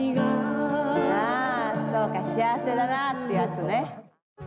あそうか「幸せだなァ」ってやつね。